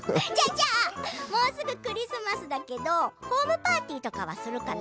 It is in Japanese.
もうすぐクリスマスだけどホームパーティーとかするかな？